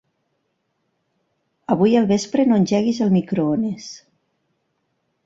Avui al vespre no engeguis el microones.